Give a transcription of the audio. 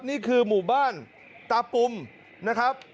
นี่คือหมู่บ้านตาปุ่มนะครับ